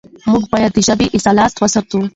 موږ بايد د ژبې اصالت وساتو.